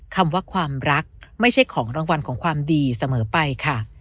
คำว่าความรักไม่ใช่ของรางวัลของความดีเสมอไปค่ะ